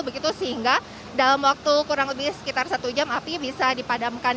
begitu sehingga dalam waktu kurang lebih sekitar satu jam api bisa dipadamkan